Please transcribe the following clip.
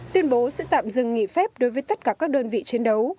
tuyên bố sẽ tạm dừng nghỉ phép đối với tất cả các đơn vị chiến đấu